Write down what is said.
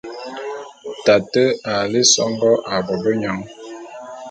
Tate a lé songó ā bobenyang.